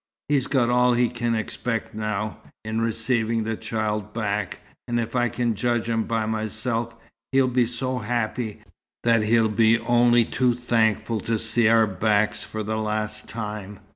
He's got all he can expect now, in receiving the child back and if I can judge him by myself, he'll be so happy, that he'll be only too thankful to see our backs for the last time."